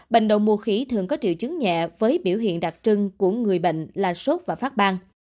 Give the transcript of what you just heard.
bệnh đậu mùa khỉ thường có triệu chứng nhẹ với biểu hiện đặc trưng của người bệnh là sốt và phát ban